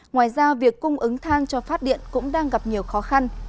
ngoài ra việc cung ứng thang cho phát điện cũng đang gặp nhiều khó khăn